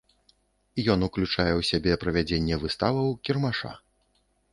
Ён уключае ў сябе правядзенне выставаў, кірмаша.